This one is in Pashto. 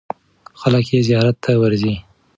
خلک یې زیارت ته ورځي.